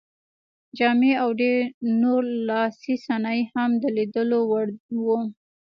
جامې او ډېر نور لاسي صنایع یې هم د لیدلو وړ وو.